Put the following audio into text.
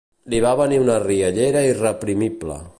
Li va venir una riallera irreprimible.